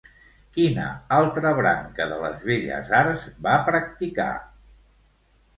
Quina altra branca de les belles arts va practicar?